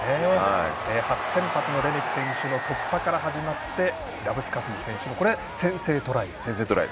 初先発のレメキ選手の突破から始まってラブスカフニ選手の先制トライ。